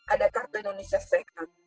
ada kartu indonesia sekat